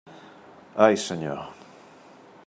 Ai, Senyor!